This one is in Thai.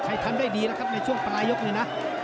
ใครทำได้ดีในช่วงปลายยกเนี่ยนะ